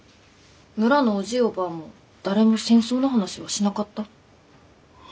村のおじぃおばぁも誰も戦争の話はしなかった。